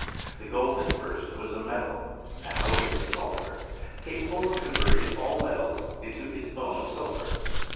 The gold a first was a metal, now it is a sulphur, capable of cod verting all metals into its own sulphur.